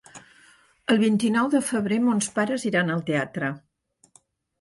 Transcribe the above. El vint-i-nou de febrer mons pares iran al teatre.